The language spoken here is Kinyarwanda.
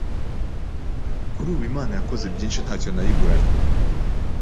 Kuri ubu Imana yakoze byinshi ntacyo nayiburanye